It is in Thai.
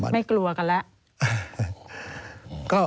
ไม่กลัวกันแล้ว